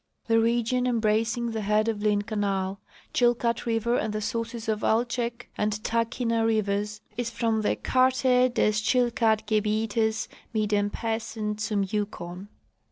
* The region embracing the head of Lynn canal. Chilkat river, and the sources of Altsek and Tahkeena rivers is from the Karte des Tschilkat Gebietes mit dem Piissen zum Yukon.